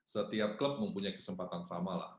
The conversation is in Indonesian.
setiap klub mempunyai kesempatan sama lah